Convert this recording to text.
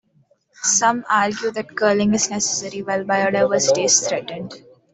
Some argue that culling is necessary when biodiversity is threatened.